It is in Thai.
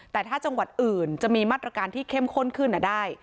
แต่ถ้าจังหวัดอื่นจะมีมาตรการที่เข้มข้นขึ้นได้